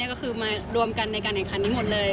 ก็คือมารวมกันในการแข่งขันทั้งหมดเลย